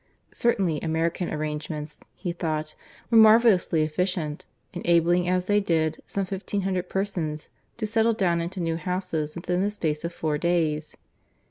Certainly American arrangements, he thought, were marvellously efficient, enabling as they did some fifteen hundred persons to settle down into new houses within the space of four days.